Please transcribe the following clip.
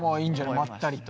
まったりと。